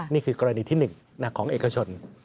นี่คือกรณีที่๑ของเอกชน